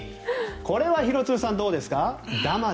これは廣津留さん、どうですか？